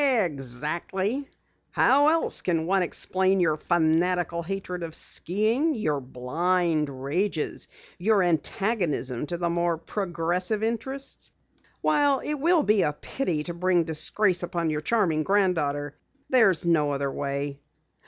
"Exactly. How else can one explain your fanatical hatred of skiing, your blind rages, your antagonism to the more progressive interests? While it will be a pity to bring disgrace upon your charming granddaughter, there is no other way."